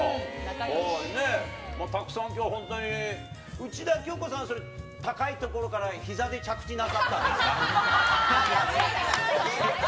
たくさんきょうは本当に、内田恭子さん、それ、高い所からひざで着地なさったんですか？